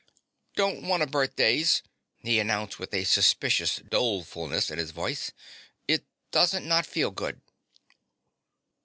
"Don't want a birthdays," he announced with a suspicious dolefulness in his voice. "It doesn't not feel good."